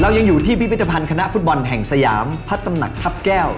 ยังอยู่ที่พิพิธภัณฑ์คณะฟุตบอลแห่งสยามพระตำหนักทัพแก้ว